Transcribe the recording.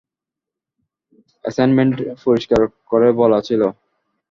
অ্যাসাইনমেন্টে পরিষ্কার করে বলা ছিল।